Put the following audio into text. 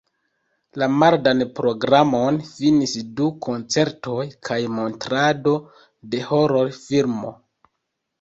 La mardan programon finis du koncertoj kaj montrado de horor-filmo.